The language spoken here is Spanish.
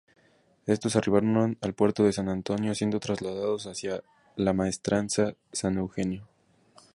Estos arribaron al puerto de San Antonio, siendo trasladados hacia la Maestranza San Eugenio.